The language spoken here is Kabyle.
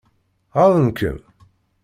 Ɣaḍen-kem?